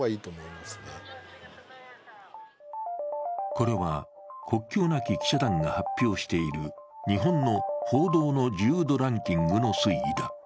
これは、国境なき記者団が発表している日本の報道の自由度ランキングの推移だ。